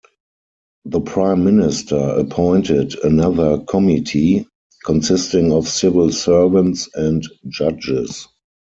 The Prime Minister appointed another committee, consisting of civil servants and judges.